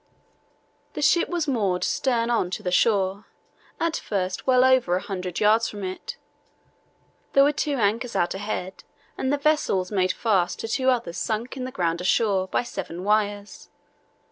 "The ship was moored stern on to the shore, at first well over one hundred yards from it. There were two anchors out ahead and the vessel was made fast to two others sunk in the ground ashore by seven wires.